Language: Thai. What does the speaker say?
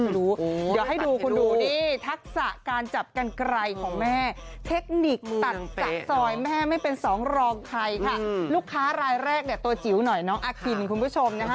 ลูกค้ารายแรกเนี่ยตัวจิ๋วหน่อยน้องอักกินคุณผู้ชมนะฮะ